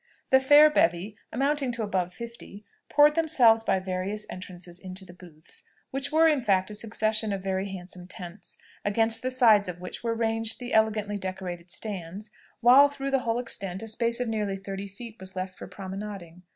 The fair bevy, amounting to above fifty, poured themselves by various entrances into the booths, which were in fact a succession of very handsome tents, against the sides of which were ranged the elegantly decorated stands; while through the whole extent, a space of nearly thirty feet was left for promenading.